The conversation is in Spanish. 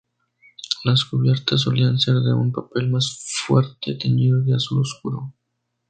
Las cubiertas solían ser de un papel más fuerte teñido de azul oscuro.